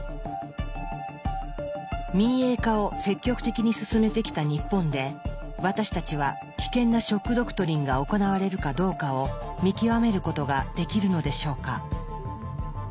民営化を積極的に進めてきた日本で私たちは危険な「ショック・ドクトリン」が行われるかどうかを見極めることができるのでしょうか？